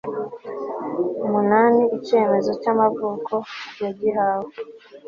umunani icyemezo cyamavuko yagihawe